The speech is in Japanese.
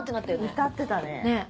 歌ってたね。